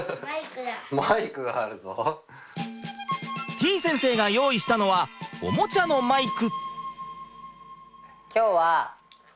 てぃ先生が用意したのはおもちゃのマイク。